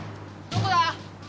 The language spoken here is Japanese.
どこだ？